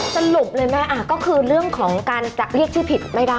สรุปเลยแม่ก็คือเรื่องของการจะเรียกชื่อผิดไม่ได้